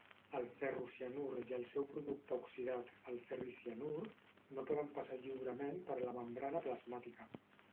El ferrocianur i el seu producte oxidat, el ferricianur, no poden passar lliurement per la membrana plasmàtica.